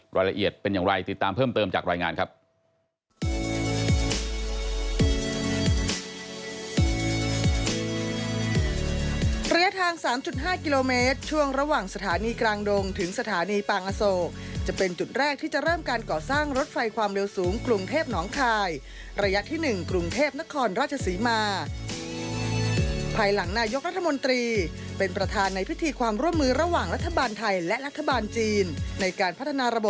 รายละเอียดเป็นอย่างไรติดตามเพิ่มเติมจากรายงานครับ